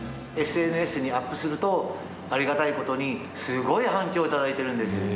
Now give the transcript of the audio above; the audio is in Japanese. ＳＮＳにアップするとありがたい事にすごい反響を頂いてるんです。